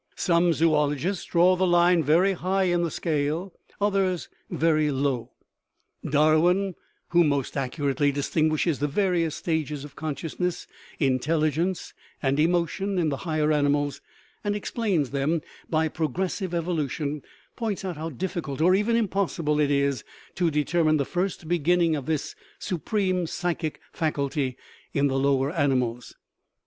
Some zoologists draw the line very high in the scale, others very low. Darwin, who most accurately distinguishes the various stages of consciousness, intelligence, and emotion in the higher animals, and explains them by progressive evolution, points out how difficult, or even impossible, it is to de termine the first beginning of this supreme psychic fac ulty in the lower animals.